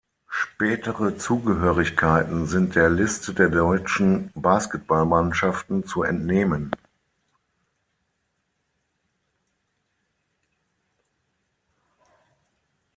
Spätere Zugehörigkeiten sind der Liste der deutschen Basketballmannschaften zu entnehmen.